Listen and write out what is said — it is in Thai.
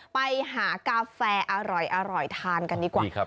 ไปหากาแฟอร่อยทานกันดีกว่า